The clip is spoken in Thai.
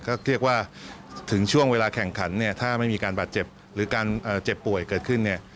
ก็เรียกว่าถึงช่วงเวลาแข่งขันเนี่ยถ้าไม่มีการบาดเจ็บหรือการเจ็บป่วยเกิดขึ้นเนี่ย